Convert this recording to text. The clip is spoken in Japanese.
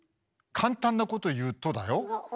簡単なこと言うとだよ？